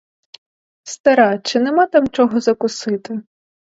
Стара, чи нема там чого закусити?